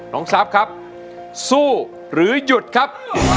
น้องซับครับสู้หรือยุดครับ